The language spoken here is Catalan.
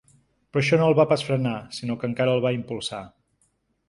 Però això no el va pas frenar, sinó que encara el va impulsar.